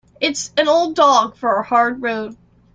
It's an old dog for a hard road.